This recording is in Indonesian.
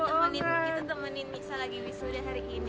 kita temenin kita temenin misalnya wisuda hari ini